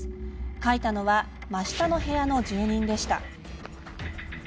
書いたのは真下の部屋の住人でした。